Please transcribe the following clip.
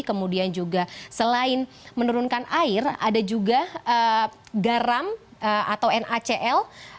kemudian juga selain menurunkan air ada juga garam atau nacl